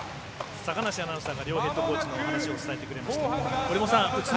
坂梨アナウンサーが両ヘッドコーチの話を伝えてくれました。